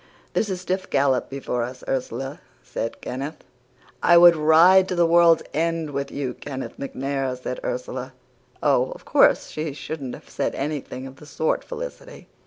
"'There's a stiff gallop before us, Ursula,' said Kenneth. "'I would ride to the world's end with you, Kenneth MacNair,' said Ursula. Oh, of course she shouldn't have said anything of the sort, Felicity.